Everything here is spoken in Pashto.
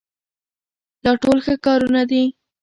دا ټول ښه کارونه دي.